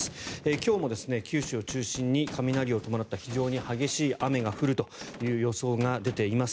今日も九州を中心に雷を伴った非常に激しい雨が降るという予想が出ています。